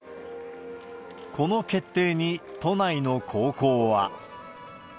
この決定に、都内の高校は。